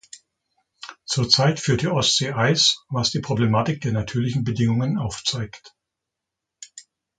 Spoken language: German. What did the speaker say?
Zur Zeit führt die Ostsee Eis, was die Problematik der natürlichen Bedingungen aufzeigt.